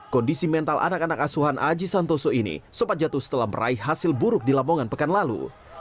kondisi mental anak anak asuhan aji santoso ini sempat jatuh setelah meraih hasil buruk di lamongan pekan lalu